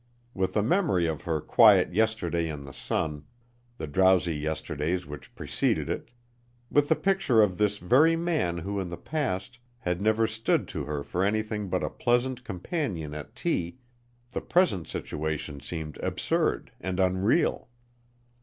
With the memory of her quiet yesterday in the sun; the drowsy yesterdays which preceded it; with the picture of this very man who in the past had never stood to her for anything but a pleasant companion at tea, the present situation seemed absurd and unreal.